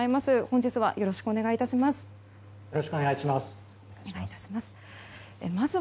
本日はよろしくお願い致します。